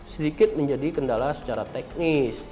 sedikit menjadi kendala secara teknis